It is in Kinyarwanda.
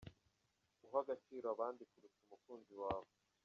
Uha agaciro abandi kurusha umukunzi wawe.